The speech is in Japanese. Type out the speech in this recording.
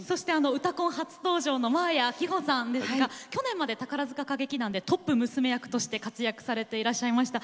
「うたコン」初登場の真彩希帆さんですが去年まで宝塚歌劇団トップ娘役として活躍していらっしゃいました。